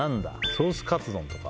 ソースカツ丼とか？